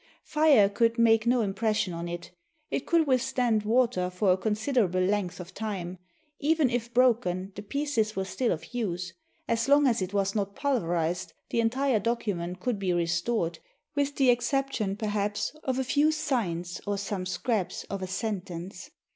Fire could make no im pression on it; it could withstand water for a consider able length of time; even if broken, the pieces were still of use: as long as it was not pulverized, the entire 469 MESOPOTAMIA document could be restored, with the exception, perhaps, of a few signs or some scraps of a sentence.